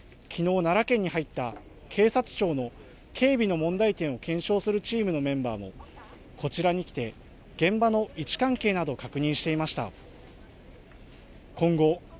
また先ほど午前１１時ごろにはきのう、奈良県に入った警察庁の警備の問題点を検証するチームのメンバーもこちらに来て現場の位置関係などを確認していました。